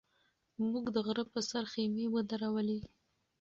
موږ د غره په سر خیمې ودرولې.